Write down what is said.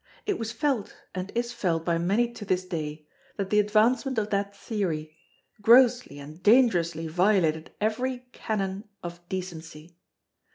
It was felt, and is felt by many to this day, that the advancement of that theory grossly and dangerously violated every canon of decency.